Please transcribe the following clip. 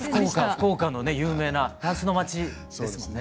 福岡のね有名なたんすの街ですもんね。